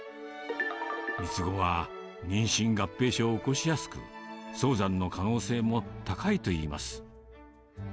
三つ子は、妊娠合併症を起こしやすく、早産の可能性も高いといいます。